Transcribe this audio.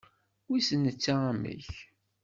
Wissen netta amek.